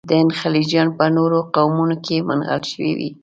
د هند خلجیان په نورو قومونو کې منحل شوي وي.